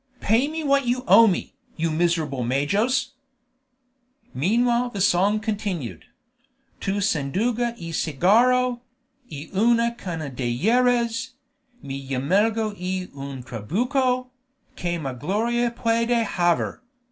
Pay me what you owe me, you miserable majos." Meanwhile the song continued: _"Tu sandunga y cigarro, Y una cana de Jerez, Mi jamelgo y un trabuco, Que mas gloria puede haver?"